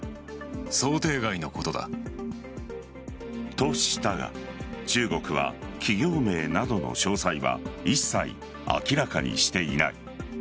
としたが中国は企業名などの詳細は一切明らかにしていない。